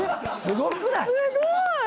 すごくない？